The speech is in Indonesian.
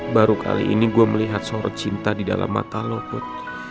baru kali ini gue melihat sorot cinta di dalam mata lo put